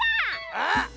あっ！